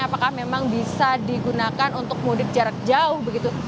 apakah memang bisa digunakan untuk mudik jarak jauh begitu